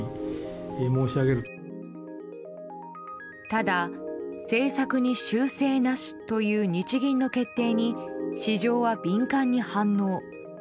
ただ、政策の修正なしという日銀の決定に市場は敏感に反応。